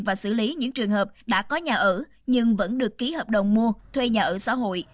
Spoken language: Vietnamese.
và xử lý những trường hợp đã có nhà ở nhưng vẫn được ký hợp đồng mua thuê nhà ở xã hội